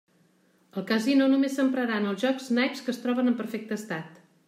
El casino només emprarà en els jocs naips que es troben en perfecte estat.